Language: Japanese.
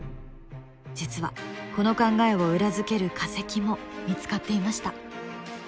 実はこの考えを裏付ける化石も見つかっていました。